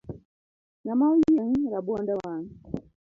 Ngama oyieng rabuonde wang